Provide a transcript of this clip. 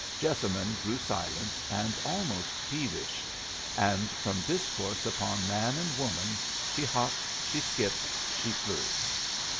Jessamine grew silent and almost peevish; and from discourse upon man and woman she hopped, she skipped, she flew.